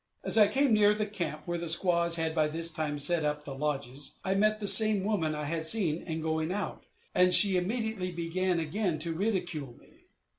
As I came near the camp, where the squaws had by this time set up the lodges, I met the same woman I had seen in going out, and she immediately began again to ridicule me.